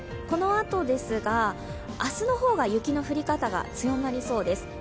このあと、明日の方が雪の降り方が強まりそうです。